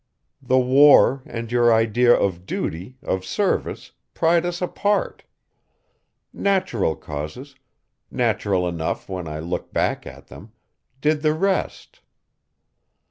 The war and your idea of duty, of service, pried us apart. Natural causes natural enough when I look back at them did the rest.